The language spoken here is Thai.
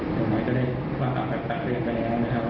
ส่วนหมดจะได้ความความฝักตัดเรียนแบรนด์นะครับ